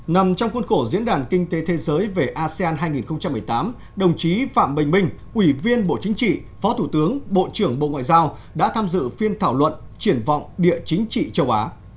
nằm trong khuôn khổ diễn đàn kinh tế thế giới về asean hai nghìn một mươi tám đồng chí phạm bình minh ủy viên bộ chính trị phó thủ tướng bộ trưởng bộ ngoại giao đã tham dự phiên thảo luận triển vọng địa chính trị châu á